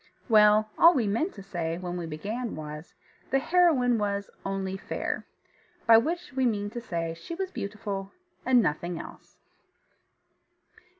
Well, all we meant to say when we began was, the heroine was Only Fair by which we mean to say she was beautiful and nothing else.